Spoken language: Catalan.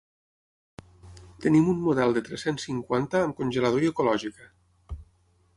Tenim un model de tres-cents cinquanta amb congelador i ecològica.